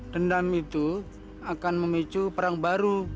dendam itu akan memicu perang baru